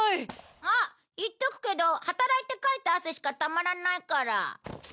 あっ言っとくけど働いてかいた汗しかたまらないから。